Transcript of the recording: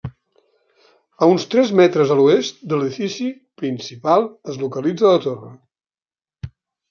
A uns tres metres a l'oest de l'edifici principal es localitza la torre.